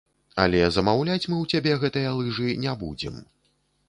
Але замаўляць мы ў цябе гэтыя лыжы не будзем.